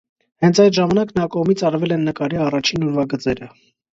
Հենց այդ ժամանակ նրա կողմից արվել են նկարի առաջին ուրվագծերը։